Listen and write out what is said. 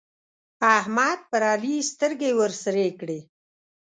احمد پر علي سترګې ورسرې کړې.